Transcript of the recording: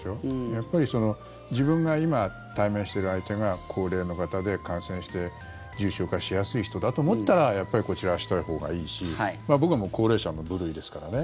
やっぱり自分が今、対面している相手が高齢の方で、感染して重症化しやすい人だと思ったらやっぱりこちらはしてるほうがいいし僕も高齢者の部類ですからね